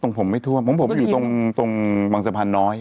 ตรงผมไม่ทั่วเพราะผมอยู่ตรงบางสะพานหน้อย